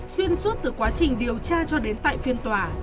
xuyên suốt từ quá trình điều tra cho đến tại phiên tòa